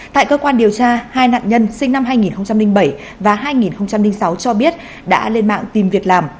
tại cơ quan điều tra hai nạn nhân sinh năm hai nghìn bảy và hai nghìn sáu cho biết đã lên mạng tìm việc làm